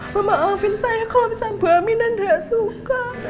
memaafin saya kalau misalnya bu aminah nggak suka